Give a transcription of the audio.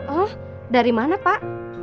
oh dari mana pak